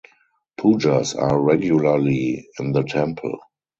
Pujas are regularly in the temple.